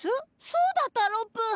そうだったロプ！